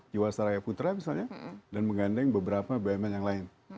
jiwa seraya putra misalnya dan mengandeng beberapa bma yang lain